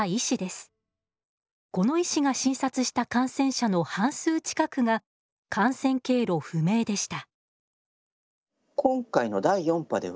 この医師が診察した感染者の半数近くが感染経路不明でした。